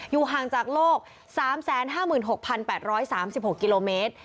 ห่างจากโลก๓๕๖๘๓๖กิโลเมตร